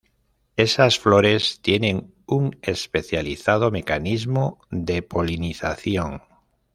Esas flores tienen un especializado mecanismo de polinización.